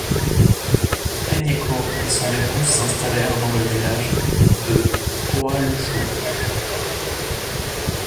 Hainyeko et son épouse s'installèrent dans le village de Ohalushu.